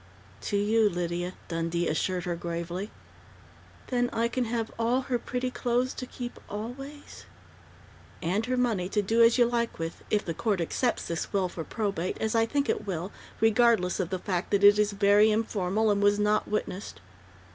"To you, Lydia," Dundee assured her gravely. "Then I can have all her pretty clothes to keep always?" "And her money, to do as you like with, if the court accepts this will for probate as I think it will, regardless of the fact that it is very informal and was not witnessed."